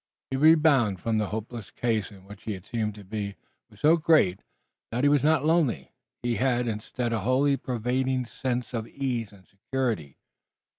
The rebound from the hopeless case in which he had seemed to be was so great that he was not lonely. He had instead a wholly pervading sense of ease and security.